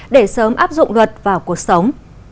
để sớm áp dụng luật vào cuộc sống